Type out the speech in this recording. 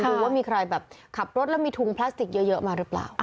ดูว่ามีใครแบบขับรถแล้วมีถุงพลาสติกเยอะมาหรือเปล่า